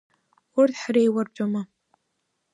Урҭ ҳреиуартәыма!